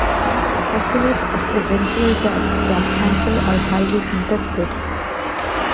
Estimates of eventual deaths from cancer are highly contested.